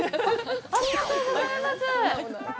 ありがとうございます。